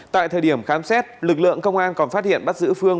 tại thời điểm khám xét lực lượng công an còn phát hiện bắt giữ phương